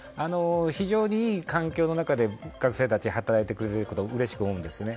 非常にいい環境の中で学生たち、働いてくれてることはうれしく思うんですね。